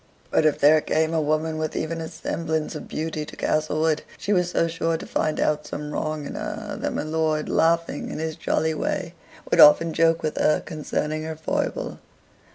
But if there came a woman with even a semblance of beauty to Castlewood, she was so sure to find out some wrong in her, that my lord, laughing in his jolly way, would often joke with her concerning her foible.